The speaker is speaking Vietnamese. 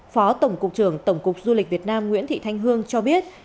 phó tổng cục trưởng tổng cục du lịch việt nam nguyễn thị thanh hương cho biết